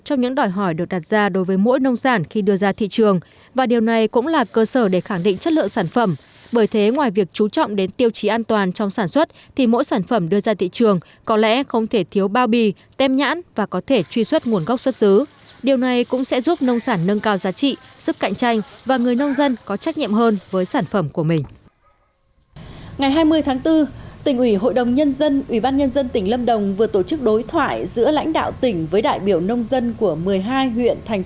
tỉnh ủy hội đồng nhân dân ủy ban nhân dân tỉnh lâm đồng vừa tổ chức đối thoại giữa lãnh đạo tỉnh với đại biểu nông dân của một mươi hai huyện thành phố trong toàn tỉnh